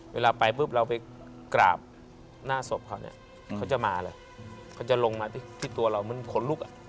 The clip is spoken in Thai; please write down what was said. เวลาไปปุ๊บเราไปกราบหน้าศพเขาเนี่ยเขาจะมาเลยเขาจะลงมาที่ตัวเราเหมือนขนลุกอ่ะ